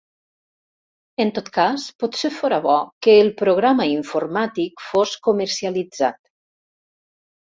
En tot cas, potser fóra bo que el programa informàtic fos comercialitzat.